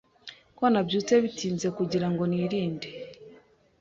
Ko nabyutse bitinze kugirango nirinde